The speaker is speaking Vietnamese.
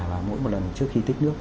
và mỗi một lần trước khi tích nước